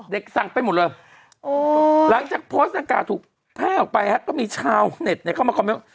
สั่งไปหมดเลยหลังจากโพสต์ดังกล่าถูกแพร่ออกไปก็มีชาวเน็ตเข้ามาคอมเมนต์